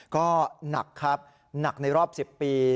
ก็หนักครับหนักในรอบ๑๐ปี